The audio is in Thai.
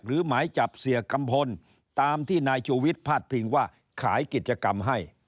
หมายจับเสียกัมพลตามที่นายชูวิทย์พาดพิงว่าขายกิจกรรมให้